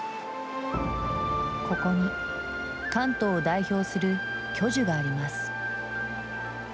ここに、関東を代表する巨樹があります。